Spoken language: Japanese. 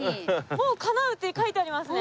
もう叶うって書いてありますね。